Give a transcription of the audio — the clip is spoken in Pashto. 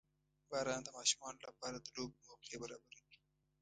• باران د ماشومانو لپاره د لوبو موقع برابروي.